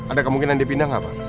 ada kemungkinan dipindah nggak pak